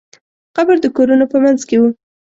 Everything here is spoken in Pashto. قبر د کورونو په منځ کې و.